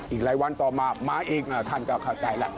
อีกหลายวันต่อมามาเองท่านก็เข้าใจแล้ว